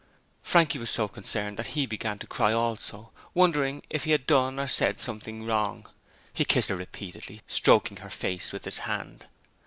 Frankie was so concerned that he began to cry also, wondering if he had done or said something wrong. He kissed her repeatedly, stroking her face with his hand.